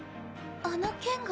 あの剣が。